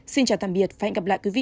xin chào tạm biệt và hẹn gặp lại quý vị